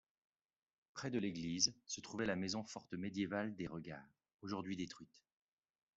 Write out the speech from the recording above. Près de l'Église, se trouvait la maison forte médiévale des Regard, aujourd'hui détruite.